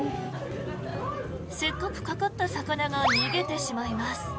せっかくかかった魚が逃げてしまいます。